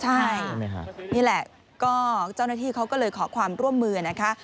ใช่นี่แหละก็เจ้าหน้าที่เขาก็เลยขอความร่วมมือนะคะ